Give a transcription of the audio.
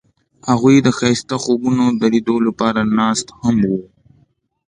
هغوی د ښایسته خوبونو د لیدلو لپاره ناست هم وو.